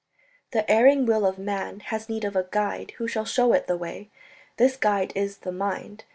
"The erring will of man has need of a guide who shall show it the way ... this guide is the mind.